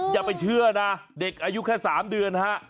อย่าไปเชื่อนะเด็กอายุแค่๓เดือนฮะ